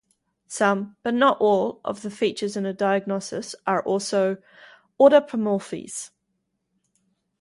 Some, but not all, of the features in a diagnosis are also autapomorphies.